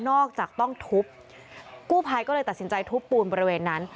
จากต้องทุบกู้ภัยก็เลยตัดสินใจทุบปูนบริเวณนั้น